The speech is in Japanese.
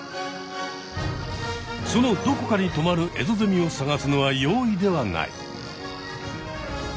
そのどこかにとまるエゾゼミを探すのは容易ではない。